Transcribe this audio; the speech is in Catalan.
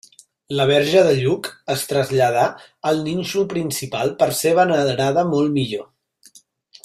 La verge de Lluc es traslladà al nínxol principal per ser venerada molt millor.